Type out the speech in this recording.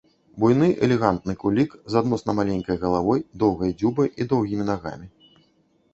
Буйны элегантны кулік з адносна маленькай галавой, доўгай дзюбай і доўгімі нагамі.